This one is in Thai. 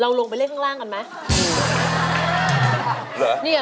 เราลงไปเล่นข้างกันไหมหรือนี่อ่ะ